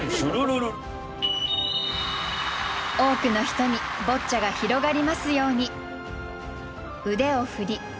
多くの人にボッチャが広がりますように。